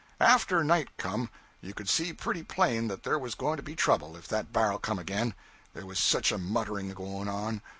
'After night come, you could see pretty plain that there was going to be trouble if that bar'l come again; there was such a muttering going on.